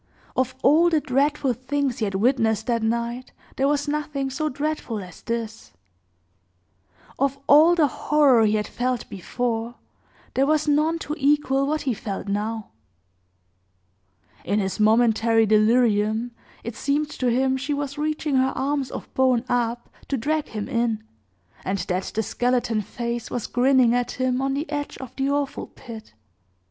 Of all the dreadful things he had witnessed that night, there was nothing so dreadful as this; of all the horror he had felt before, there was none to equal what he felt now. In his momentary delirium, it seemed to him she was reaching her arms of bone up to drag him in, and that the skeleton face was grinning at him on the edge of the awful pit.